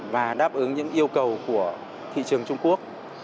và đáp ứng những yêu cầu của thị trường trung quốc